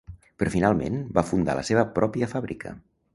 Però finalment va fundar la seva pròpia fàbrica.